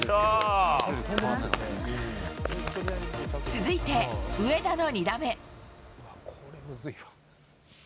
続いて上田の２打目。